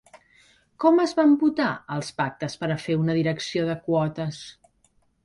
Com es van votar els pactes per a fer una direcció de quotes?